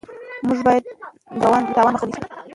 موږ باید د تاوان مخه ونیسو.